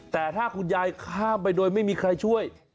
แต่ถ้าคุณยายข้ามไปโดยไม่มีใครช่วย